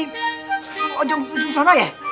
bu ahmad yang di ujung sana ya